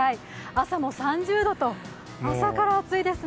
朝も３０度と、朝から暑いですね。